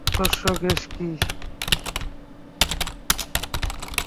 আদর্শ গ্যাস কী?